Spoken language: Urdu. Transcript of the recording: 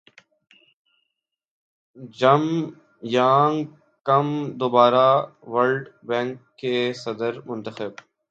جم یانگ کم دوبارہ ورلڈ بینک کے صدر منتخب